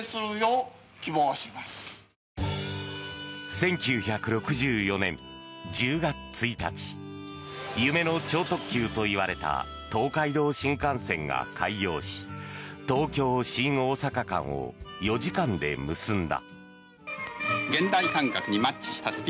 １９６４年１０月１日夢の超特急といわれた東海道新幹線が開業し東京新大阪間を４時間で結んだ。